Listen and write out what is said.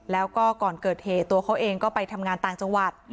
แล้วก็ก่อนเกิดเหตุตัวเขาเองก็ไปทำงานต่างจังหวัด